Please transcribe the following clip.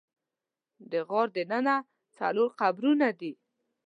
د غار دننه څلور قبرونه دي.